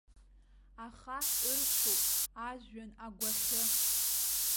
Ахаҳә ыршәуп ажәҩан агәахьы.